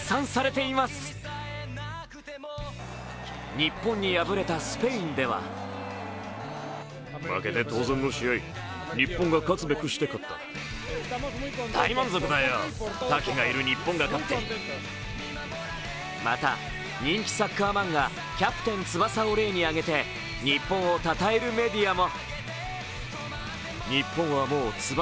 日本に敗れたスペインではまた、人気サッカー漫画「キャプテン翼」を例に挙げて日本を称えるメディアも。